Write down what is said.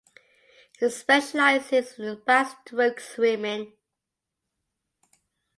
He specialises in backstroke swimming.